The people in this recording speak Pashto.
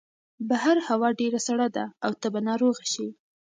بهر هوا ډېره سړه ده او ته به ناروغه شې.